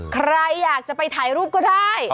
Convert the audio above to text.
ใครอยากจะไปถ่ายรูปก็ได้